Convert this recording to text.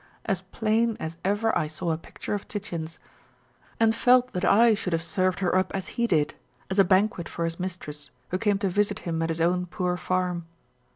427 as plain as ever I saw a picture of Titian's ; and felt that I should have served her up as he did, as a banquet for his mistress, who came to visit him at his own poor farm.